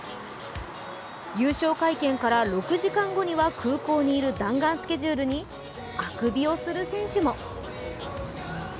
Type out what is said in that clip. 優勝会見から６時間後には、空港にいる弾丸スケジュールにあくびをする選手も。